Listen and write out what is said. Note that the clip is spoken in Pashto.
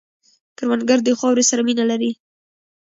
کروندګر د خاورې سره مینه لري